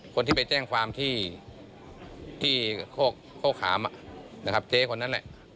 คนที่ไปแจ้งความที่โคกขามนะครับเจ๊คนนั้นแหละ